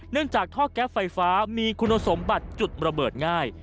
จากท่อแก๊สไฟฟ้ามีคุณสมบัติจุดระเบิดง่าย